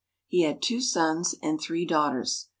He had two sons and three daughters.